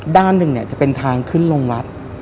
ด้านหนึ่งเนี่ยจะเป็นทางขึ้นลงวัด